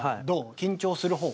緊張するほう？